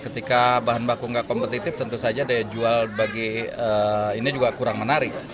ketika bahan baku nggak kompetitif tentu saja daya jual bagi ini juga kurang menarik